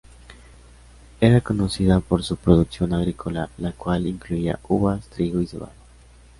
Era conocida por su producción agrícola, la cual incluía uvas, trigo y cebada.